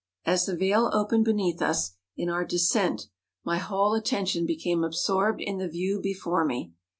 As the vale opened beneath us in our descent my whole attention became absorbed in the \dew before me.